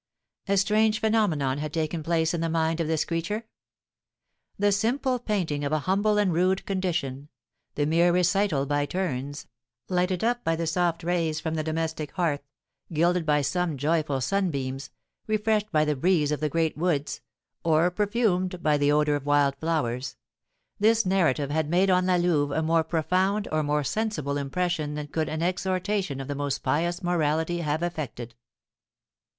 A strange phenomenon had taken place in the mind of this creature. The simple painting of a humble and rude condition the mere recital by turns lighted up by the soft rays from the domestic hearth, gilded by some joyful sunbeams, refreshed by the breeze of the great woods, or perfumed by the odour of wild flowers, this narrative had made on La Louve a more profound or more sensible impression than could an exhortation of the most pious morality have effected.